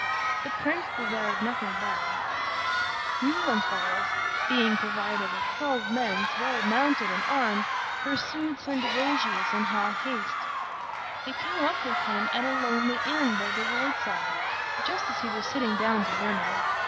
The prince desired nothing better; Muhlenfels, being provided with twelve men well mounted and armed, pursued Sendivogius in hot haste. He came up with him at a lonely inn by the road side, just as he was sitting down to dinner.